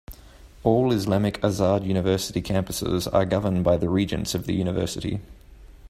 All Islamic Azad University campuses are governed by the Regents of the university.